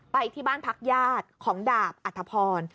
ไปที่บ้านพักญาติของดาบอัธพร